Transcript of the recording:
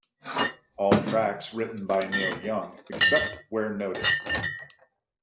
All tracks written by Neil Young except where noted.